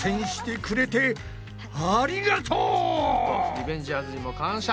リベンジャーズにも感謝。